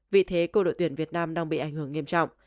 vì thế cô đội tuyển việt nam đang bị ảnh hưởng nghiêm trọng